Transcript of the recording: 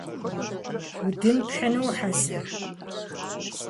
Удын пхьыну ухьэзыр?